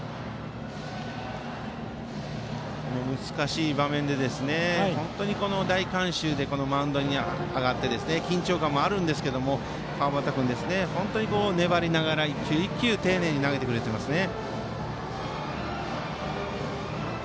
この難しい場面で大観衆の中このマウンドに上がって緊張感もあるんですけど川端君は本当に粘りながら丁寧に投げてくれていますね。